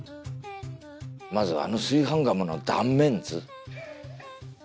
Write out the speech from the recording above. まずあの炊飯釜の断面図。